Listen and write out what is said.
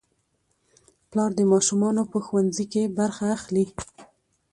پلار د ماشومانو په ښوونځي کې برخه اخلي